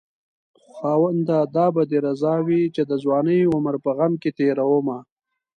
خاونده دا به دې رضا وي چې د ځوانۍ عمر په غم کې تېرومه